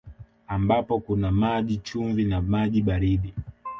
Ambapo kuna maji chumvi na maji baridi